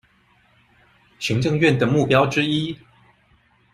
行政院的目標之一